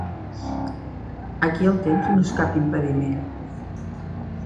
Aquí el temps no és cap impediment.